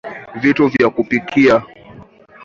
vitu vya kupikia